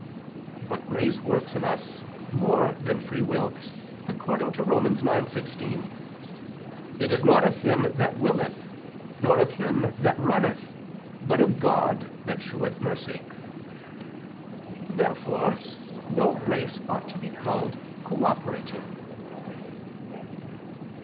But grace works in us more than free will, according to Rom. 9:16: "It is not of him that willeth, nor of him that runneth, but of God that sheweth mercy." Therefore no grace ought to be called cooperating.